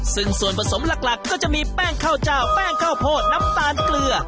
ซึ่งส่วนผสมหลักก็จะมีแป้งข้าวเจ้าแป้งข้าวโพดน้ำตาลเกลือ